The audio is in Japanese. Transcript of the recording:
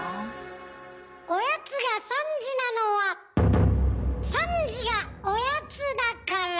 おやつが３時なのは３時がおやつだから。